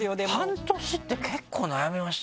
半年って結構悩みましたね。